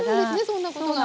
そんなことが。